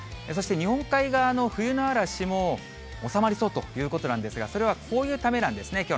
そして日本海側の冬の嵐も、収まりそうということなんですが、それはこういうためなんですね。